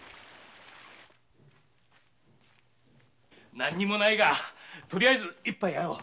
何もないがとりあえず一杯やろう。